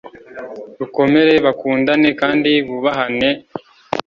rukomere bakundane kandi bubahane